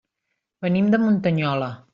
Venim de Muntanyola.